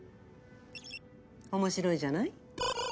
面白いじゃない。